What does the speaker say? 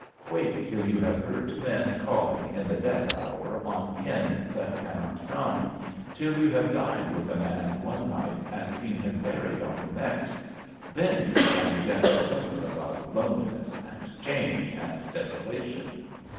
Wait till you have heard men calling in the death hour on kin that cannot come^ till you have dined with a man one night and seen him buried on the next. Then you can begin to whimper about loneliness and change and deso lation.